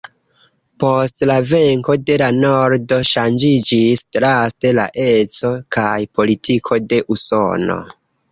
Post la venko de la nordo ŝanĝiĝis draste la eco kaj politiko de Usono.